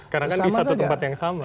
karena kan di satu tempat yang sama